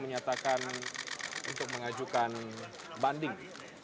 menyatakan untuk mengajukan banding